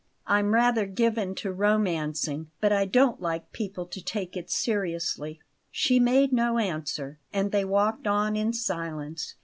I'm rather given to romancing, but I don't like people to take it seriously." She made no answer, and they walked on in silence.